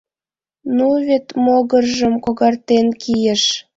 Ну вет могыржым когартен кийыш!